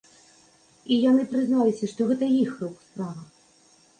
І яны прызналіся, што гэта іх рук справа.